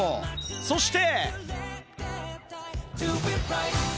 そして。